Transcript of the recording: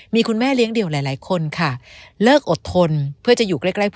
มีคุณแม่เลี้ยงเดี่ยวหลายคนค่ะเลิกอดทนเพื่อจะอยู่ใกล้